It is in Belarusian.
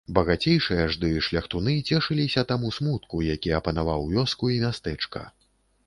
Багацейшыя ж ды шляхтуны цешыліся таму смутку, які апанаваў вёску і мястэчка.